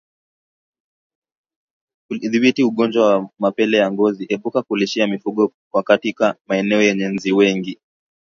Kudhibiti ugonjwa wa mapele ya ngozi epuka kulishia mifugo katika maeneo yenye inzi wengi